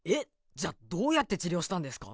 じゃあどうやって治療したんですか？